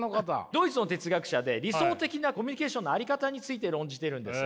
ドイツの哲学者で理想的なコミュニケーションの在り方について論じてるんです。